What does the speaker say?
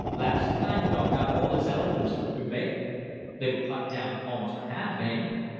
Last time, though, not all his eloquence could prevail. They were cut down almost a half, eh?"